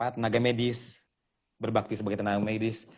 tenaga medis berbakti sebagai tenaga medis